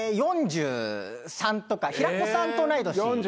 ４３とか平子さんと同い年。